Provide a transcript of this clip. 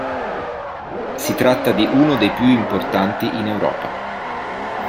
Si tratta di uno dei più importanti in Europa.